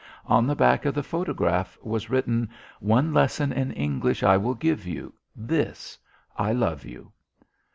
On the back of the photograph was written: "One lesson in English I will give you this: I love you."